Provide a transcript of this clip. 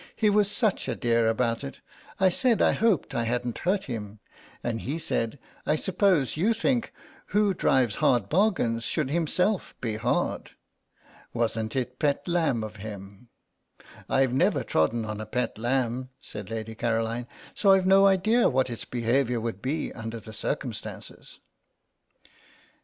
"He was such a dear about it; I said I hoped I hadn't hurt him, and he said, 'I suppose you think, who drives hard bargains should himself be hard.' Wasn't it pet lamb of him?" "I've never trodden on a pet lamb," said Lady Caroline, "so I've no idea what its behaviour would be under the circumstances."